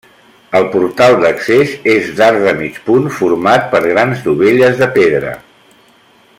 El portat d'accés és d'arc de mig punt, format per grans dovelles de pedra.